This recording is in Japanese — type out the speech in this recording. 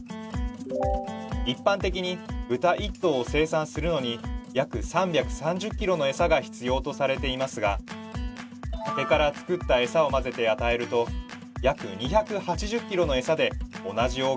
一般的に豚１頭を生産するのに約３３０ｋｇのエサが必要とされていますが竹から作ったエサを混ぜて与えると約２８０ｋｇのエサで同じ大きさに成長したというのです。